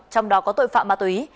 trong đó có tội phạm ma túy